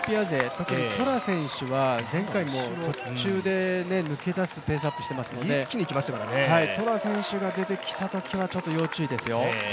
特にトラ選手が前回も途中で抜け出すペースアップをしてますのでトラ選手が出てきたときは要注意ですよ。